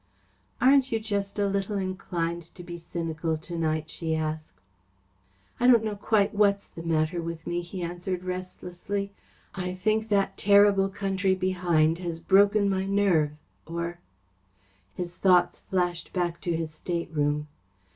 "Aren't you just a little inclined to be cynical to night?" she asked. "I don't know quite what's the matter with me," he answered restlessly. "I think that terrible country behind has broken my nerve, or " His thoughts flashed back to his stateroom.